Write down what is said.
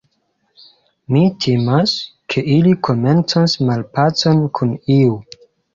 Mi timas, ke ili komencos malpacon kun iu.